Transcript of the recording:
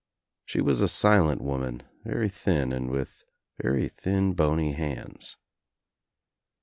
She was a silent woman, very thin and with very thin bony hands.